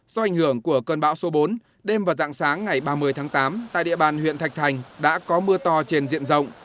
do ảnh hưởng của cơn bão số bốn đêm và dạng sáng ngày ba mươi tháng tám tại địa bàn huyện thạch thành đã có mưa to trên diện rộng